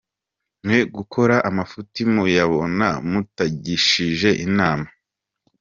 Mwe gukora amafuti muyabona mutagishije inama”.